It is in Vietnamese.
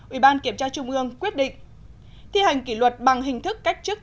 ủy ban kiểm tra trung ương quyết định thi hành kỷ luật bằng hình thức cách chức